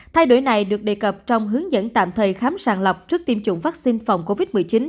thay đổi này được đề cập trong hướng dẫn tạm thời khám sàng lọc trước tiêm chủng vaccine phòng covid một mươi chín